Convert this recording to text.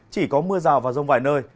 chỉ có mưa rào và rông vài nơi